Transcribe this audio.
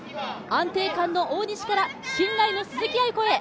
安定感の大西から信頼の鈴木亜由子へ。